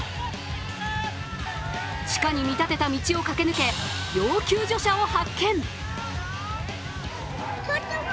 地下に見立てた道を駆け抜け、要救助者を発見。